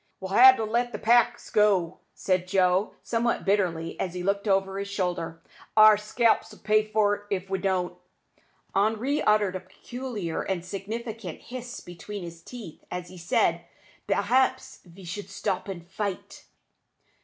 "We'll ha' to let the packs go," said Joe, somewhat bitterly, as he looked over his shoulder. "Our scalps'll pay for't, if we don't." Henri uttered a peculiar and significant hiss between his teeth, as he said, "P'r'aps ve better stop and fight!"